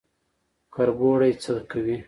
کربوړی څه کوي؟